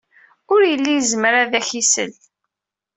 Ur yelli yezmer ad ak-isel.